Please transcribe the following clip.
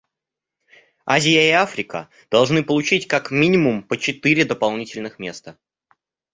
Азия и Африка должны получить, как минимум, по четыре дополнительных места.